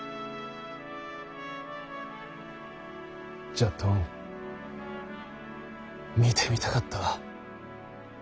じゃっどん見てみたかった。